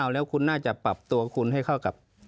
แล้วคุณน่าจะปรับตัวคุณให้เข้ากับ